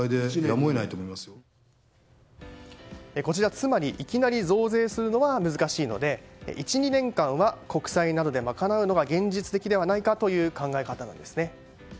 つまり、いきなり増税するのは難しいので１２年間は国債などで賄うのが現実的ではないかという考え方なんですね。